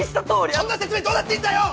そんな説明どうだっていいんだよ！